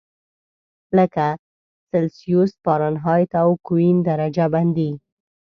لکه سلسیوس، فارنهایت او کلوین درجه بندي.